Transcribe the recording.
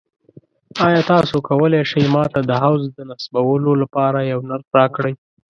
ایا تاسو کولی شئ ما ته د حوض د نصبولو لپاره یو نرخ راکړئ؟